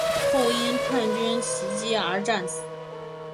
后因叛军袭击而战死。